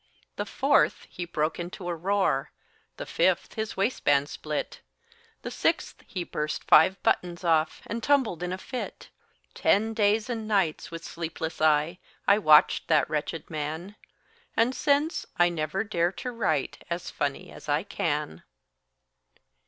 The fourth; he broke into a roar; The fifth; his waistband split; The sixth; he burst five buttons off, And tumbled in a fit. Ten days and nights, with sleepless eye, I watched that wretched man, And since, I never dare to write As funny as I can.